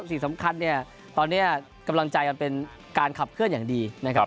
สิ่งสำคัญเนี่ยตอนนี้กำลังใจมันเป็นการขับเคลื่อนอย่างดีนะครับ